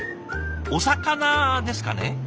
お魚ですかね？